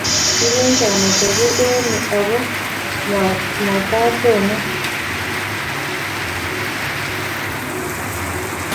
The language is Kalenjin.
Kilenchon atebii eng' yoe aku matatonon